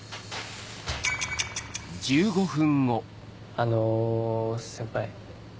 あの先輩。